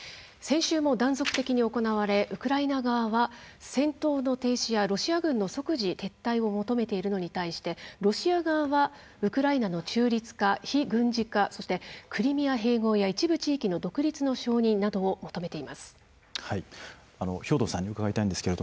先週も断続的に行われウクライナ側は戦闘の停止やロシア軍の即時撤退を求めているのに対してロシア側はウクライナの中立化・非軍事化そして、クリミア併合や一部地域の独立の承認などを求めています。